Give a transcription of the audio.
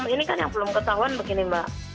ini kan yang belum ketahuan begini mbak